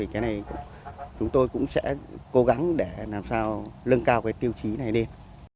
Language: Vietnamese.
chúng tôi cũng sẽ cố gắng để làm sao lương cao cái tiêu chí này lên